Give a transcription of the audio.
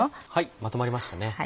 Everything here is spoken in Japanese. まとまりましたね。